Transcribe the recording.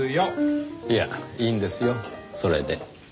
いやいいんですよそれで。